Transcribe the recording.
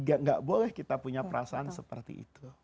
gak boleh kita punya perasaan seperti itu